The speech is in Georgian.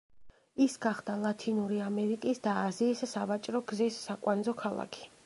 ის გახდა ლათინური ამერიკის და აზიის სავაჭრო გზის საკვანძო ქალაქი.